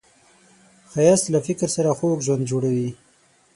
ښایست له فکر سره خوږ ژوند جوړوي